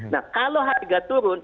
nah kalau harga turun